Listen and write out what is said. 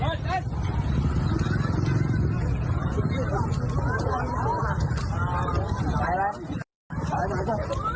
ขายแล้วขายแล้วจริง